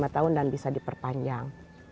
tiga puluh lima tahun dan bisa diperpanjang